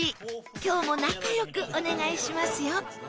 今日も仲良くお願いしますよ